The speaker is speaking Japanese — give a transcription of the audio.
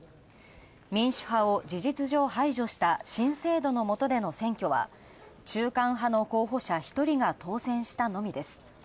民主派を事実上排除した新制度の下での選挙は、中間派の候補者１人が当選したのみです。